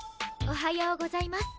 おはようございます。